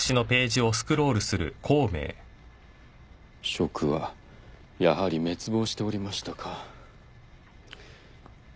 蜀はやはり滅亡しておりましたか。